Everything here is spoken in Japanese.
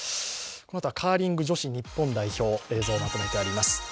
このあとはカーリング女子日本代表、映像をまとめてあります。